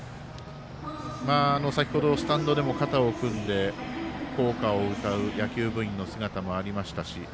先ほど、スタンドでも肩を組んで校歌を歌う野球部員の姿もありましたし。